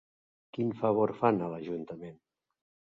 Quin favor fan a l'Ajuntament?